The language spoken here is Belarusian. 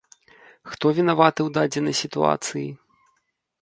Хто вінаваты ў дадзенай сітуацыі?